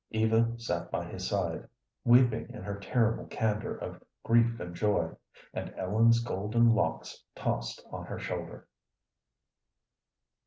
Eva sat by his side, weeping in her terrible candor of grief and joy, and Ellen's golden locks tossed on her shoulder.